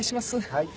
はい。